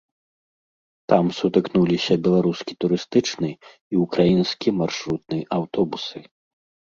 Там сутыкнуліся беларускі турыстычны і ўкраінскі маршрутны аўтобусы.